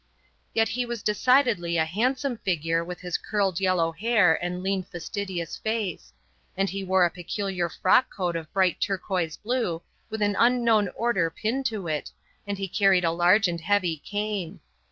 Ye he was decidedly a handsome figure with his curled yellow hair and lean fastidious face; and he wore a peculiar frock coat of bright turquoise blue, with an unknown order pinned to it, and he carried a huge and heavy cane.